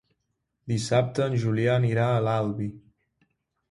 Dissabte en Julià anirà a l'Albi.